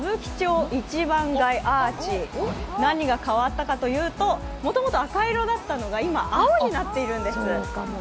何が変わったかというと、もともと赤色だったのが今、青になっているんです。